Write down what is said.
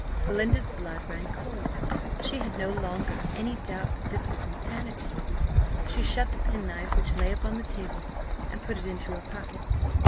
Belinda's blood ran cold she had no longer any doubt that this was insanity. She shut the penknife which lay upon the table, and put it into her pocket.